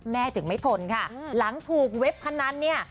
ถึงไม่ทนค่ะหลังถูกเว็บพนันเนี่ย